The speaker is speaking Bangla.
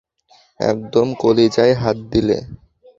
একদম কলিজায় হাত দিলে।